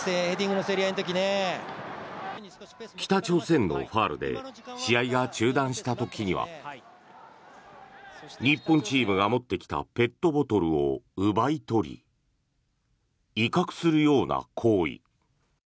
北朝鮮のファウルで試合が中断した時には日本チームが持ってきたペットボトルを奪い取り威嚇するような行為。